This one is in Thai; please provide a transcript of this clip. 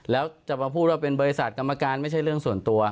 แล้วจะมาพูดว่าเป็นบริษัทกรรมการไม่ใช่เรื่องส่วนตัว